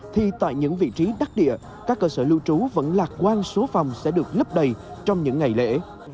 thì tại những vị trí đắc địa các cơ sở lưu trú vẫn lạc quan số phòng sẽ được lấp đầy trong những ngày lễ